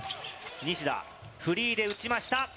西田、フリーで打ちました！